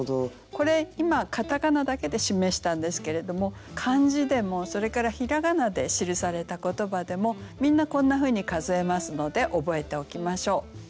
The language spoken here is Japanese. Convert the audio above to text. これ今カタカナだけで示したんですけれども漢字でもそれから平仮名で記された言葉でもみんなこんなふうに数えますので覚えておきましょう。